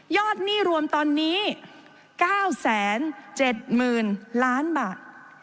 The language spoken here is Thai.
หนี้รวมตอนนี้๙๗๐๐๐ล้านบาท